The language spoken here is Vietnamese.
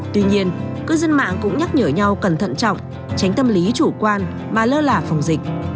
tuy nhiên cư dân mạng cũng nhắc nhở nhau cẩn thận trọng tránh tâm lý chủ quan mà lơ là phòng dịch